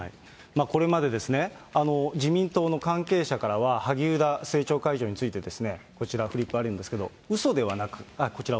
これまで、自民党の関係者からは萩生田政調会長について、こちら、フリップあるんですけれども、うそではなく。